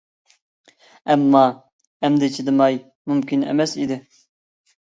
ئەمما، ئەمدى چىدىماي مۇمكىن ئەمەس ئىدى.